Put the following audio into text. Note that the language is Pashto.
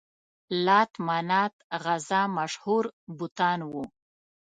لات، منات، عزا مشهور بتان وو.